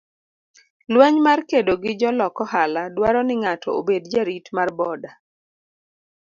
Lweny mar kedo gi jolok ohala dwaro ni ng'ato obed jarit mar boda.